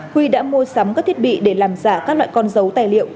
huy đã mua sắm các thiết bị để làm giả các loại con dấu tài liệu